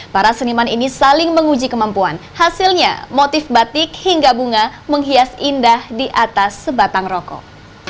para seniman ini saling menguji kemampuan hasilnya motif batik hingga bunga menghias indah di atas sebatang rokok